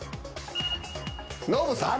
ノブさん。